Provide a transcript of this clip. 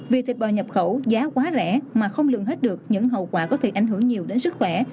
vì thịt bò nhập khẩu giá quá rẻ mà không lường hết được những hậu quả có thể ảnh hưởng nhiều đến sức khỏe